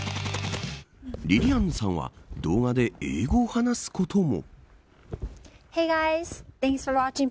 りりあんぬさんは動画で英語を話すことも。